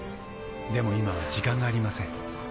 でも今は時間がありません。